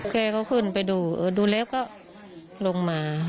แกก็ขึ้นไปดูดูแล้วก็ลงมา